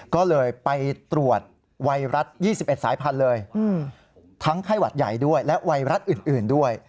ก็เลยไปตรวจไวรัส๒๑สายพันธุ์เลยทั้งไข้หวัดใหญ่ด้วยและไวรัสอื่นด้วย